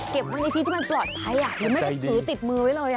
เก็บมันในที่ที่มันปลอดภัยยังไม่ได้ถือติดมือไว้เลย